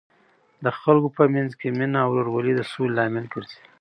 د خلکو په منځ کې مینه او ورورولي د سولې لامل ګرځي.